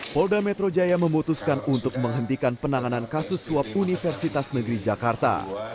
polda metro jaya memutuskan untuk menghentikan penanganan kasus suap universitas negeri jakarta